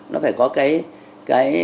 nó phải có cái